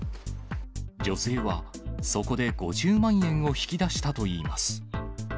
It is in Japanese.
女性はそこで５０万円を引き出したといいます。